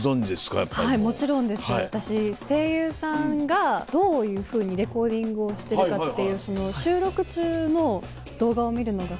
もちろんです私声優さんがどういうふうにレコーディングをしてるかっていう。